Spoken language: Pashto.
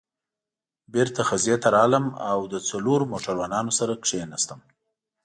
بېرته خزې ته راغلم او له څلورو موټروانانو سره کېناستم.